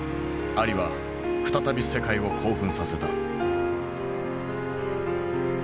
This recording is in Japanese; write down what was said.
アリは再び世界を興奮させた。